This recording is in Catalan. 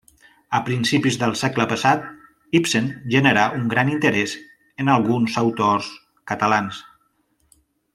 A principis del segle passat, Ibsen generà un gran interès en alguns autors catalans.